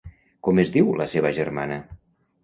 Com es diu la seva germana?